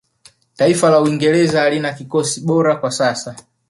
taifa la uingereza halina kikosi bora kwa sasa